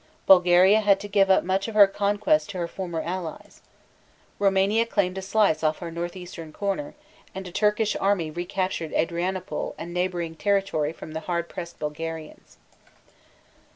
Bulgaria had to give up much of her conquests to her former allies. Roumania claimed a slice off her northeastern corner, and a Turkish army recaptured Adrianople and neighboring territory from the hard pressed Bulgarians.